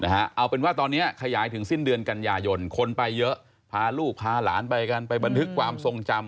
เอาเป็นว่าตอนนี้ขยายถึงสิ้นเดือนกันยายนคนไปเยอะพาลูกพาหลานไปกันไปบันทึกความทรงจำ